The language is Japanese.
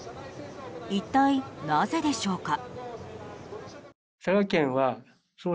一体なぜでしょうか。